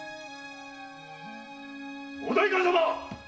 ・お代官様！